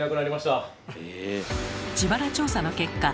自腹調査の結果